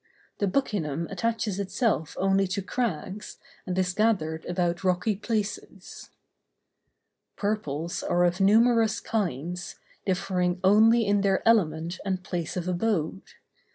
The buccinum attaches itself only to crags, and is gathered about rocky places. Purples are of numerous kinds, differing only in their element and place of abode.